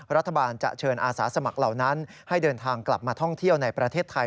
รัฐบาลจะเชิญอาสาสมัครเหล่านั้นให้เดินทางกลับมาท่องเที่ยวในประเทศไทย